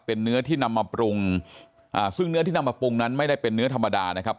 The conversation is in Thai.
เป็นเนื้อที่นำมาปรุงอ่าซึ่งเนื้อที่นำมาปรุงนั้นไม่ได้เป็นเนื้อธรรมดานะครับ